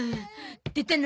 出たな